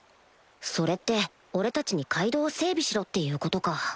それって俺たちに街道を整備しろっていうことか